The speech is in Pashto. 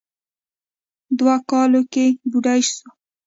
دوو کالو کې بوډۍ سوه.